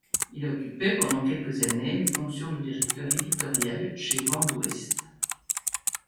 Il a occupé pendant quelques années les fonctions de directeur éditorial chez Vents d'Ouest.